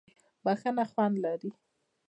بښنه خوند لري.